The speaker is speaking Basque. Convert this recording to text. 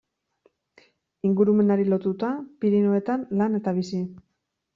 Ingurumenari lotuta Pirinioetan lan eta bizi.